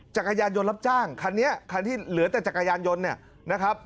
จักรยานยนต์รับจ้างคันนี้คันที่เหลือแต่จักรยานยนต์เนี่ยนะครับ